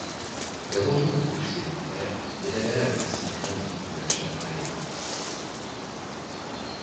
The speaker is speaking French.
L'érosion des couches sédimentaires y révéla le massif granitique de la chaîne Ragged.